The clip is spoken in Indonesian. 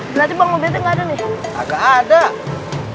berarti bang obednya gak ada nih